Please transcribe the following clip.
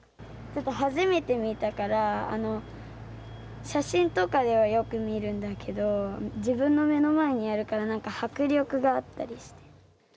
初めて見たから写真とかではよく見るんだけど自分の目の前にあるからなんか迫力があったりして。